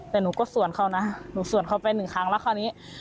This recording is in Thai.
แต่หนูก็สวนเขานะหนูสวนเขาไปหนึ่งครั้งแล้วคราวนี้